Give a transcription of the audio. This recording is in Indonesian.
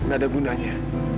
gak ada gunanya